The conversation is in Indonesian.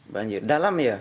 banjir dalam ya